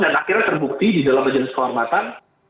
akhirnya terbukti di dalam majelis kehormatan